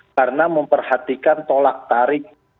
karena memperhatikan tolak tarik